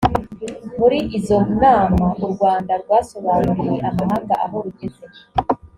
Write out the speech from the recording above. muri izo nama u rwanda rwasobanuriye amahanga aho rugeze.